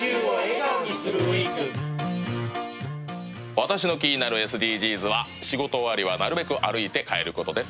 私の気になるＳＤＧｓは仕事終わりはなるべく歩いて帰ることです。